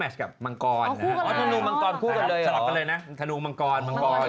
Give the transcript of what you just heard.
สลับกันเลยนะทะนูมังกร